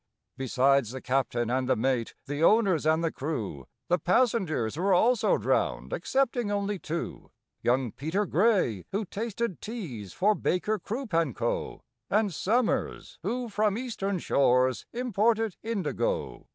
Besides the captain and the mate, the owners and the crew, The passengers were also drowned excepting only two: Young PETER GRAY, who tasted teas for BAKER, CROOP, AND CO., And SOMERS, who from Eastern shores imported indigo.